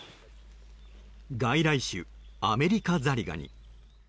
外来種、アメリカザリガニ。